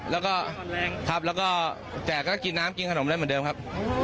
แล้วก็ทับแล้วก็แจกก็กินน้ำกินขนมได้เหมือนเดิมครับ